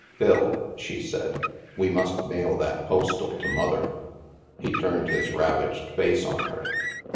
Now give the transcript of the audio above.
" Phil," she said, " we must mail that postal to Mother !" He turned his ravaged face on her.